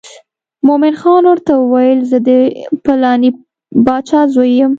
مومن خان ورته وویل زه د پلانې باچا زوی یم.